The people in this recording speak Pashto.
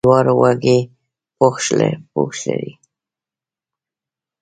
د جوارو وږی پوښ لري.